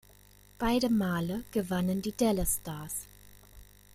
Beide Male gewannen die Dallas Stars.